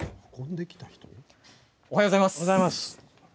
おはようございます。